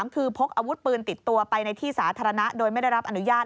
คือพกอาวุธปืนติดตัวไปในที่สาธารณะโดยไม่ได้รับอนุญาต